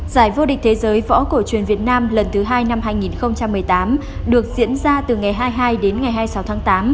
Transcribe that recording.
giải vô địch thế giới võ cổ truyền việt nam lần thứ hai năm hai nghìn một mươi tám được diễn ra từ ngày hai mươi hai đến ngày hai mươi sáu tháng tám